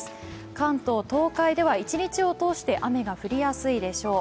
関東、東海では一日を通して雨が降りやすいでしょう。